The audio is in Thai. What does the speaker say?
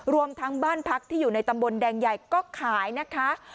รวมทั้งบ้านพักที่อยู่ในตำบลแดงใหญ่ก็ขายนะคะ